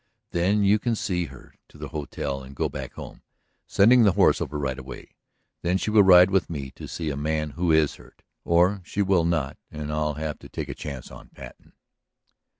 Then you can see her to the hotel and go back home, sending the horse over right away. Then she will ride with me to see a man who is hurt ... or she will not, and I'll have to take a chance on Patten."